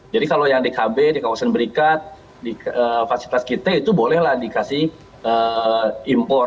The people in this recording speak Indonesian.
jadi kalau yang di kb di kawasan berikat di fasilitas kita itu bolehlah dikasih impor